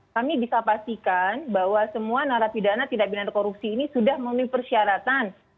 kami bisa pastikan bahwa semua narapidana tindak pidana korupsi ini sudah memenuhi persyaratan